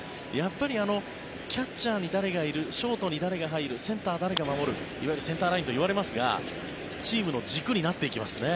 キャッチャーに誰がいるショートに誰が入るセンター、誰が守るいわゆるセンターラインといわれますがチームの軸になっていきますね。